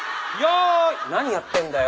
何やってんだよ？